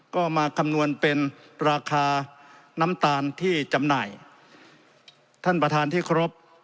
ก็มาคำนวณเป็นราคาน้ำตาลที่จำหน่ายท่านประธานที่ครบ